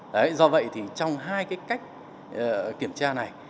đấy do vậy thì trong hai cái kiểm phấn hoa đó